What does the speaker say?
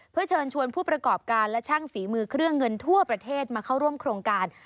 เพื่อเชิญชวนผู้ประกอบการและช่างฝีมือเครื่องเงินทั่วประเทศมาเข้าร่วมโครงการ